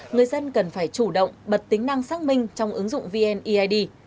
người dân cần phải chủ động bật tính năng xác minh trong ứng dụng vneid